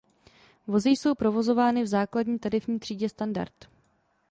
Vozy jsou provozovány v základní tarifní třídě "standard".